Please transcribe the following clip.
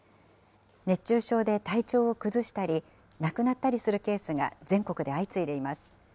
熱中症で体調を崩したり、亡くなったりするケースが全国で相次いでいます。